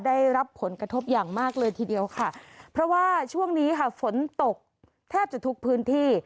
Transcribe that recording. ได้รับผลกระทบอย่างมากเลยทีเดียวค่ะเพราะว่าช่วงนี้ค่ะฝนตกแทบจะทุกพื้นที่